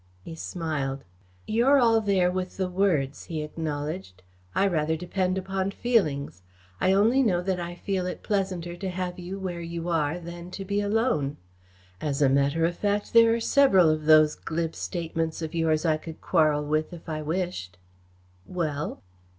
He smiled. "You're all there with the words," he acknowledged. "I rather depend upon feelings. I only know that I feel it pleasanter to have you where you are than to be alone. As a matter of fact, there are several of those glib statements of yours I could quarrel with if I wished." "Well?"